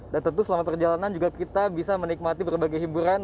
dan tentu selama perjalanan juga kita bisa menikmati berbagai hiburan